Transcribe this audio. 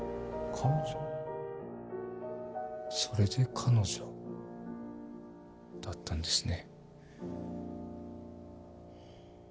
それで「彼女」だったんですね。